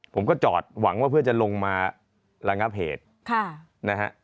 ผมก็จอดหวังว่าเพื่อจะลงมาระงับเหตุค่ะนะฮะ